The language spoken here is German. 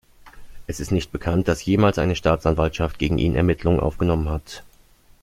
Es ist nicht bekannt, dass jemals eine Staatsanwaltschaft gegen ihn Ermittlungen aufgenommen hat.